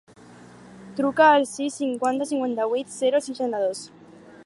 Truca al sis, cinquanta, cinquanta-vuit, zero, seixanta-dos.